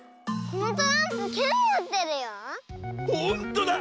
ほんとだ！